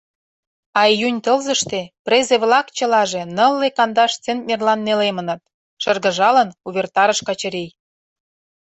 — А июнь тылзыште презе-влак чылаже нылле кандаш центнерлан нелемыныт, — шыргыжалын, увертарыш Качырий.